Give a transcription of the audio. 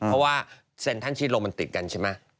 เพราะว่าเซ็นทรัลชีสโลมันติดกันใช่ไหม